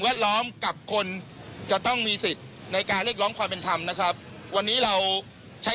ล้อมกับคนจะต้องมีสิทธิ์ในการเรียกร้องความเป็นธรรมนะครับวันนี้เราใช้